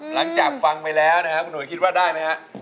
หลังจากฟังไปแล้วนะครับคุณหนูคิดว่าได้มั้ยครับ